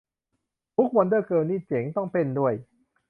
มุข 'วันเดอร์เกิร์ล' นี่เจ๋ง ต้องเต้นด้วย